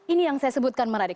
ini yang saya sebutkan menarik